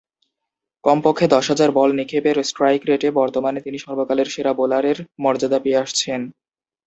কমপক্ষে দশ হাজার বল নিক্ষেপের স্ট্রাইক রেটে বর্তমানে তিনি সর্বকালের সেরা বোলারের মর্যাদা পেয়ে আসছেন।